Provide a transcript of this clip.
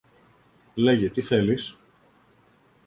Λέγε, τι θέλεις;